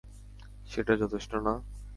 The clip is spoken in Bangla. সেটা যথেষ্ট না।